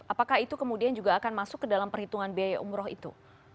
apakah itu kemudian juga akan masuk ke dalam perhitungan biaya umroh itu